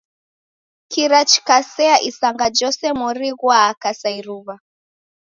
Kira chikasea isanga jose mori ghwaaka sa iruw'a.